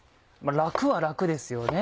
楽は楽ですよね。